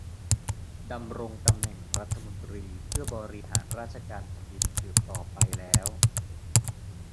ดำรงตำแหน่งรัฐมนตรีเพื่อบริหารราชการแผ่นดินสืบต่อไปแล้ว